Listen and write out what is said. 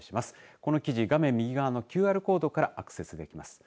この記事、画面右側のＱＲコードからアクセスできます。